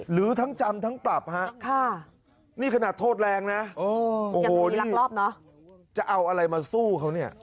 หรือทั้งจำทั้งปรับฮะนี่ขนาดโทษแรงนะโอ้โหนี่จะเอาอะไรมาสู้เขาเนี่ย